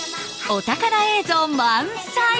お宝映像満載